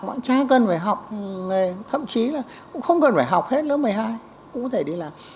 mà cũng không cần phải học nghề thậm chí là cũng không cần phải học hết lớp một mươi hai cũng có thể đi làm